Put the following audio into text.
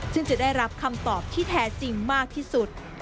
ซึ่งจะได้รับคำตอบที่แท้จริงมากที่สุด